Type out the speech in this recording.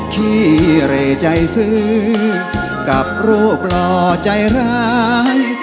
ขี้เร่ใจซื้อกับรูปหล่อใจร้าย